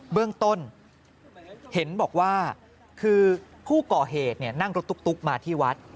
เบื้องต้นเห็นบอกว่าคือผู้ก่อเหตุนั่งรถตุ๊กมาที่วัด